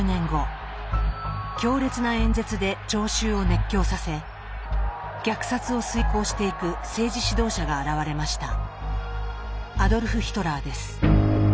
強烈な演説で聴衆を熱狂させ虐殺を遂行していく政治指導者が現れました。